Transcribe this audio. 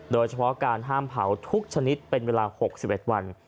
โดยเฉพาะการห้ามเผาทุกชนิดเป็นเวลา๖๑วัน